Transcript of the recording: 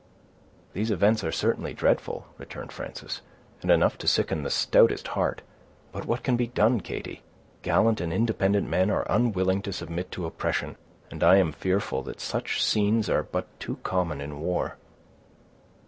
"These events are certainly dreadful," returned Frances, "and enough to sicken the stoutest heart. But what can be done, Katy? Gallant and independent men are unwilling to submit to oppression; and I am fearful that such scenes are but too common in war."